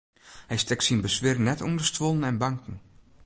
Hy stekt syn beswieren net ûnder stuollen en banken.